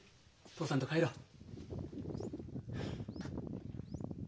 父さんと帰ろう。